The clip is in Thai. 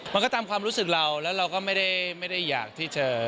มันก็ตามความรู้สึกเราแล้วเราก็ไม่ได้อยากที่เจอ